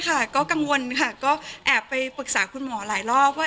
ค่ะก็กังวลค่ะก็แอบไปปรึกษาคุณหมอหลายรอบว่า